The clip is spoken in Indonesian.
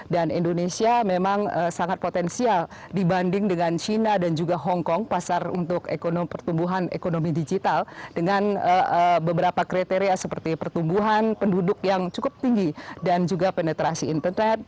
dan indonesia memang sangat potensial dibanding dengan china dan juga hongkong pasar untuk ekonomi digital dengan beberapa kriteria seperti pertumbuhan penduduk yang cukup tinggi dan juga penetrasi internet